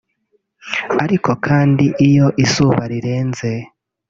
ariko kandi iyo izuba rirenze